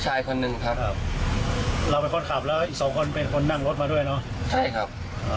ใช่ครับ